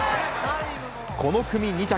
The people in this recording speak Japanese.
この組２着。